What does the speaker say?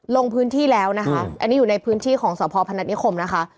ลงพื้นที่แล้วนะคะอันนี้อยู่ในพื้นที่ของสพพนัฐนิคมนะคะ